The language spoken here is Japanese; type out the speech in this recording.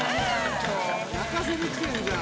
泣かせにきてんじゃん。